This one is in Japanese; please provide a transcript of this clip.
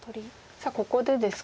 さあここでですか。